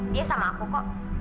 dia sama aku kok